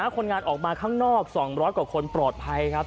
คนงานออกมาข้างนอก๒๐๐กว่าคนปลอดภัยครับ